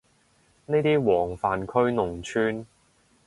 呢啲黃泛區農村